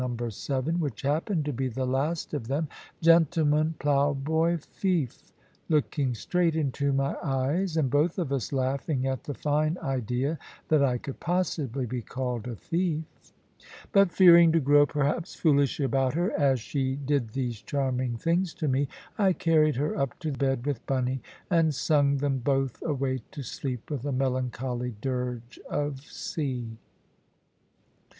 7, which happened to be the last of them, "gentleman, ploughboy, fief," looking straight into my eyes, and both of us laughing at the fine idea that I could possibly be called a thief! But fearing to grow perhaps foolish about her, as she did these charming things to me, I carried her up to bed with Bunny, and sung them both away to sleep with a melancholy dirge of sea.